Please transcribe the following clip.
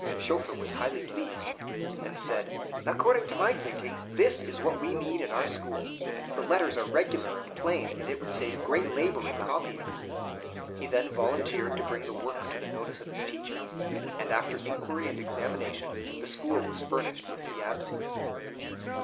Schoeffer was highly pleased, and said, "According to my thinking, this is what we need in our school. The letters are regular and plain, and it would save great labor in copying." He then volunteered to bring the work to the notice of his teacher; and after inquiry and examination the school was furnished with the "Absies."